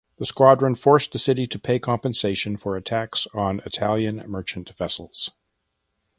The squadron forced the city to pay compensation for attacks on Italian merchant vessels.